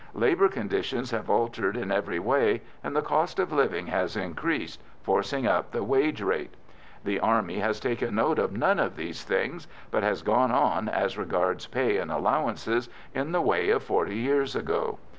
Labour conditions have altered in every way, and the cost of living has increased, forcing up the wage rate. The Army has taken note of none of these things, but has gone on, as regards pay and allowances, in the way of forty years ago.